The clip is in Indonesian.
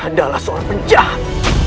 adalah seorang penjahat